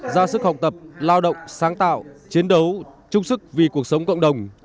ra sức học tập lao động sáng tạo chiến đấu trung sức vì cuộc sống cộng đồng